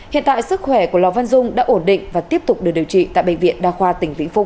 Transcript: hiện tại sức khỏe của lò văn dung đã ổn định và tiếp tục được điều trị tại bệnh viện đa khoa tỉnh vĩnh phúc